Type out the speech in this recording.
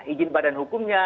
izin badan hukumnya